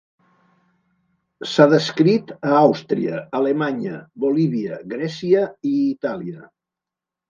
S’ha descrit a Àustria, Alemanya, Bolívia, Grècia i Itàlia.